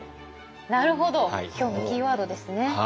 なるほど今日のキーワードですね。